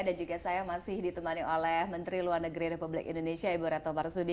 dan juga saya masih ditemani oleh menteri luar negeri republik indonesia ibu reto marsudi